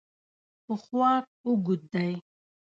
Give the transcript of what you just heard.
پښواک اوږد دی.